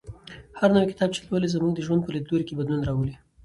هر نوی کتاب چې لولو زموږ د ژوند په لیدلوري کې بدلون راولي.